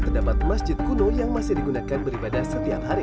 terdapat masjid kuno yang masih digunakan beribadah setiap hari